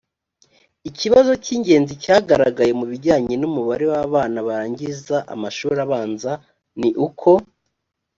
ikibazo cy ingenzi cyagaragaye mu bijyanye n umubare w abana barangiza amashuri abanza ni uko